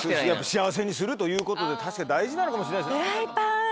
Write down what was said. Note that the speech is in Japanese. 幸せにするということで確かに大事なのかもしれないです。